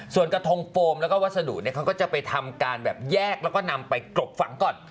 ส่วนกระทงโฟมแล้วก็วัสดุเนี่ยเขาก็จะไปทำการแบบแยกแล้วก็นำไปกรบฝังก่อน